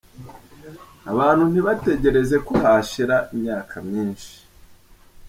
Abantu ntibategereze ko hashira imyaka myinshi.